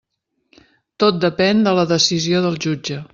Tot depèn de la decisió del jutge.